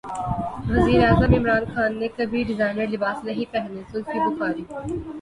وزیراعظم عمران خان نے کبھی ڈیزائنر لباس نہیں پہنے زلفی بخاری